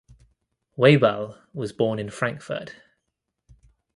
Waibel was born in Frankfurt.